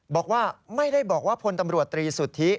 บอกว่าไม่ได้บอกว่าพลตำรวจตรีสุทธิ